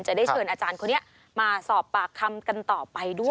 จะได้เชิญอาจารย์คนนี้มาสอบปากคำกันต่อไปด้วย